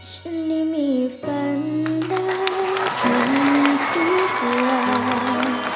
ฉันได้มีฝันแล้วของทุกคน